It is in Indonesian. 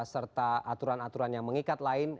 serta aturan aturan yang mengikat lain